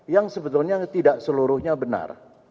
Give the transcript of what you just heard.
yang sebetulnya tidak seluruhnya benar